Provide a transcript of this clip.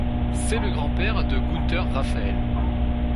C'est le grand-père de Günter Raphael.